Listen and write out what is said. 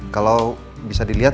kalau bisa dilihat